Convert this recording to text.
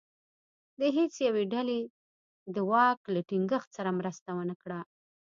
د هېڅ یوې ډلې دواک له ټینګښت سره مرسته ونه کړه.